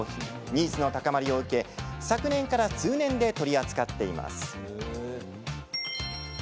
ニーズの高まりを受け昨年から通年で取り扱っています。